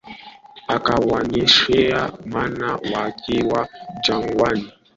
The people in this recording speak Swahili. Akawanyeshea mana wakiwa jangwani.